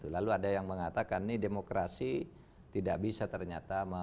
lalu ada yang mengatakan ini demokrasi tidak bisa ternyata